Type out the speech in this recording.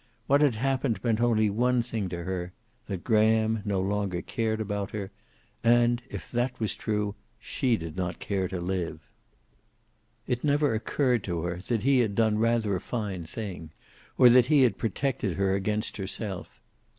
What had happened meant only one thing to her, that Graham no longer cared about her, and, if that was true, she did not care to live. It never occurred to her that he had done rather a fine thing, or that he had protected her against herself.